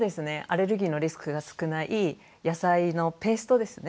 アレルギーのリスクが少ない野菜のペーストですね。